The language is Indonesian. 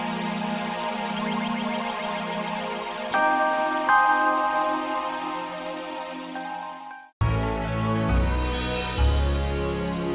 jangan lupa like share dan subscribe ya